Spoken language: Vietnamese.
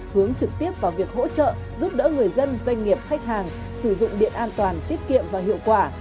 hướng trực tiếp vào việc hỗ trợ giúp đỡ người dân doanh nghiệp khách hàng sử dụng điện an toàn tiết kiệm và hiệu quả